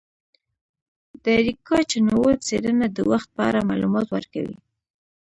د اریکا چنووت څیړنه د وخت په اړه معلومات ورکوي.